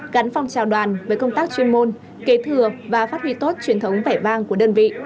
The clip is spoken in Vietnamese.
gắn phong trào đoàn với công tác chuyên môn kế thừa và phát huy tốt truyền thống vẻ vang của đơn vị